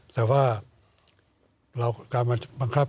แต่ว่าการบังคับ